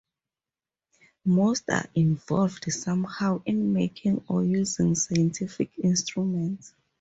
Most are involved somehow in making or using scientific instruments.